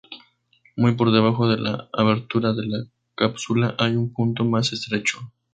Muy por debajo de la abertura de la cápsula hay un punto más estrecho.